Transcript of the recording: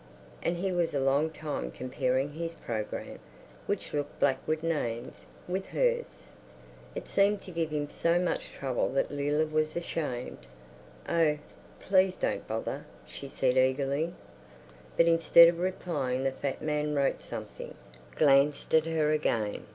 And he was a long time comparing his programme, which looked black with names, with hers. It seemed to give him so much trouble that Leila was ashamed. "Oh, please don't bother," she said eagerly. But instead of replying the fat man wrote something, glanced at her again.